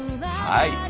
はい。